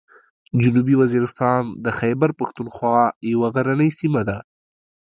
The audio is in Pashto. جنوبي وزیرستان د خیبر پښتونخوا یوه غرنۍ سیمه ده.